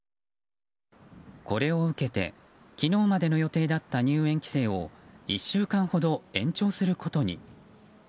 これを受けて昨日までの予定だった入園規制を１週間ほど延長することに。